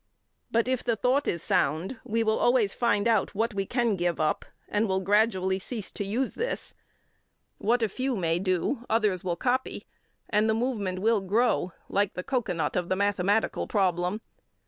But, if the thought is sound, we will always find out what we can give up, and will gradually cease to use this. What a few may do, others will copy, and the movement will grow like the cocoanut of the mathematical problem.